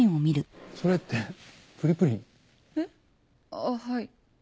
あっはい。